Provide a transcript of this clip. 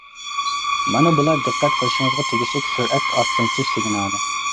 مانا بۇلار دىققەت قىلىشىڭىزغا تېگىشلىك «سۈرئەت ئاستىلىتىش سىگنالى» .